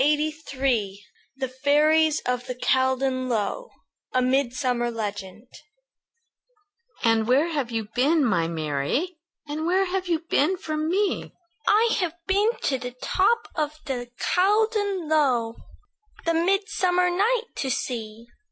UNKNOWN THE FAIRIES OF THE CALDON LOW A MIDSUMMER LEGEND "And where have you been, my Mary, And where have you been from me?" "I've been to the top of the Caldon Low, The midsummer night to see."